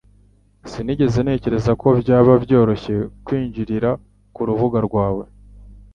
Sinigeze ntekereza ko byaba byoroshye kwinjirira kurubuga rwawe